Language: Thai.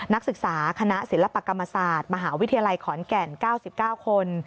นักศึกษาคณะศิลปกรรมศาสตร์มหาวิทยาลัยขอนแก่น๙๙คน